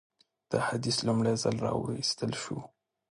دا حدیث لومړی ځل راوایستل شو.